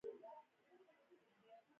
او موبایل یې ماته راوغورځاوه. و یې ویل: